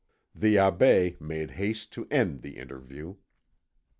The Abbé made haste to end the interview.